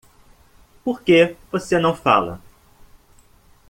Por que você não fala?